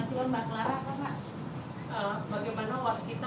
cuma mbak clara bagaimana waktu kita menjaga supaya zero accident bisa tetap berjalan